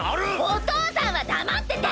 お父さんは黙ってて！